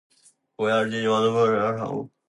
国家是阶级矛盾不可调和的产物